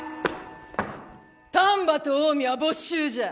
「丹波と近江は没収じゃ！